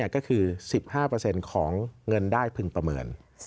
ก็คือ๑๕ของเงินได้พึงประเมิน